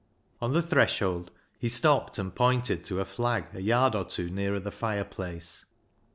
On the threshold he stopped and pointed to a flag a yard or two nearer the fireplace.